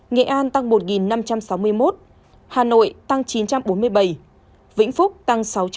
nghệ an tăng một năm trăm sáu mươi một hà nội tăng chín trăm bốn mươi bảy vĩnh phúc tăng sáu trăm hai mươi tám